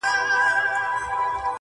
• دا خیرنه ګودړۍ چي وینې دام دی -